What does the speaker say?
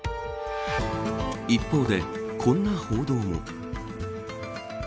一方で、こんな報道も。